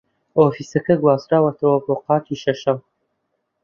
ئۆفیسەکە گواستراوەتەوە بۆ قاتی شەشەم.